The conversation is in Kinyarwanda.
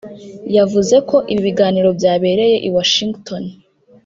yavuze ko ibi biganiro byabereye i Washington